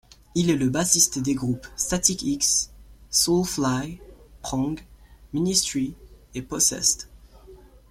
Il est le bassiste des groupes Static-X, Soulfly, Prong, Ministry et Possessed.